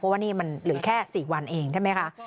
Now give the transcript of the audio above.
ว่านี่มันเหลือแค่๔วันเองใช่ไหมคะ